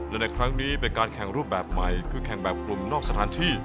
และในครั้งนี้เป็นการแข่งรูปแบบใหม่คือแข่งแบบกลุ่มนอกสถานที่